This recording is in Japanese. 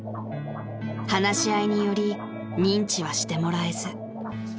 ［話し合いにより認知はしてもらえず］